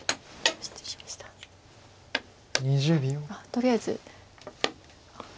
とりあえず。